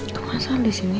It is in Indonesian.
tuh masa di sini